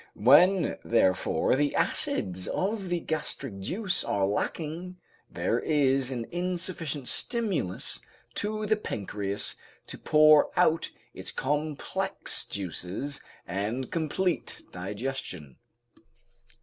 When therefore the acids of the gastric juice are lacking, there is an insufficient stimulus to the pancreas to pour out its complex juices and complete digestion.